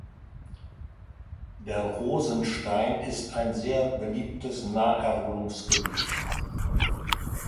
Der Rosenstein ist ein sehr beliebtes Naherholungsgebiet.